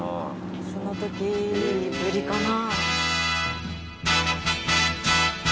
そのときぶりかな。